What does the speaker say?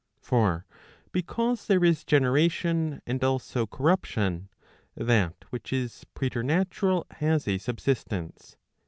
For because there is generation, and also corruption, that which is preternatural has a subsistence.